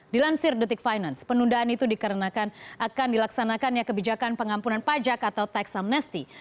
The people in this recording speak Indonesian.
dilansir detik finance penundaan itu dikarenakan akan dilaksanakannya kebijakan pengampunan pajak atau tax amnesty